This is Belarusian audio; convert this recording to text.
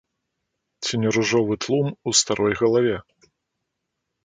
Ці не ружовы тлум у старой галаве?